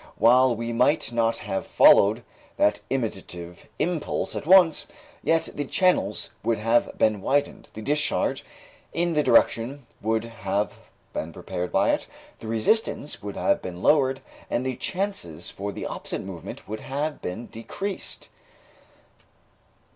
While we might not have followed that imitative impulse at once, yet the channels would have been widened, the discharge in the direction would have been prepared by it, the resistance would have been lowered and the chances for the opposite movement would have been decreased.